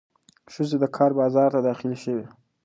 ښځې د کار بازار ته داخلې شوې.